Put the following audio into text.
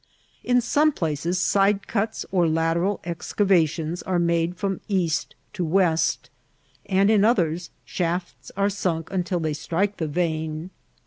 In some places side cuts or lateral excavations are made firom east to westy TI8IT TO A GOLD MINB. 847 and in others shafts are sunk until they strike the yein.